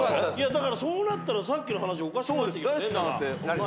だからそうなったらさっきの話おかしくなってきません？